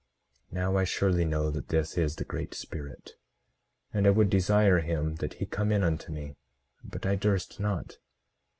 18:11 Now I surely know that this is the Great Spirit, and I would desire him that he come in unto me, but I durst not.